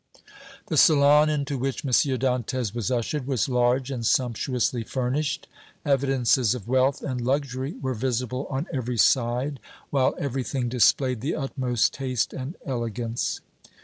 The salon into which M. Dantès was ushered was large and sumptuously furnished; evidences of wealth and luxury were visible on every side, while everything displayed the utmost taste and elegance.